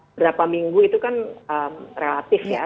berapa minggu itu kan relatif ya